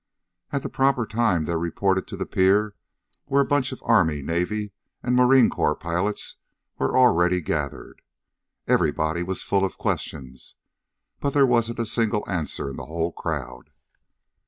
At the proper time they reported to the pier where a bunch of Army, Navy, and Marine Corps pilots were already gathered. Everybody was full of questions, but there wasn't a single answer in the whole crowd.